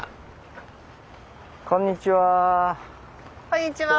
こんにちは。